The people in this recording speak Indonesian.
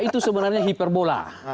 itu sebenarnya hiperbola